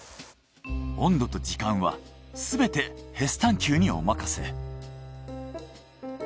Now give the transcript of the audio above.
温度と時間はすべてヘスタンキューにお任せ。